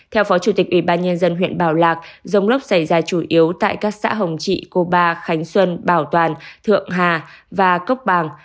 theo phó chủ tịch ubnd huyện bảo lạc giống lốc xảy ra chủ yếu tại các xã hồng trị cô ba khánh xuân bảo toàn thượng hà và cốc bằng